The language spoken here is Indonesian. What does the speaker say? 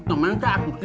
temennya atuh sih